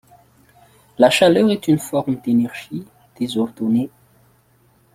La chaleur est une forme d'énergie désordonnée.